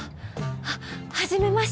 はっはじめまして。